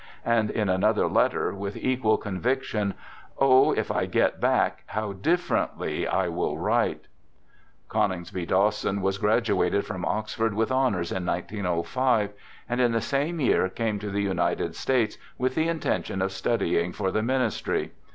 " and in another letter, with equal conviction: " O, if I get back, how differently I shall write !" Coningsby Dawson was graduated from Oxford with honors in 1905, and in the same year came to the United States with the intention of studying for the ministry.